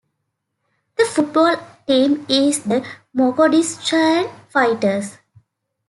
The football team is the Mogoditshane Fighters.